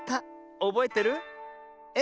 おぼえてる？え？